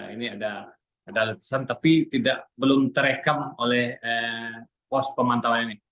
ini ada letusan tapi belum terekam oleh pos pemantauan ini